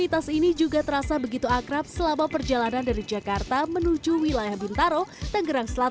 tapi juga pengalaman berkendara dengan motor yang lebih berkendara